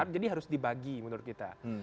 jadi harus dibagi menurut kita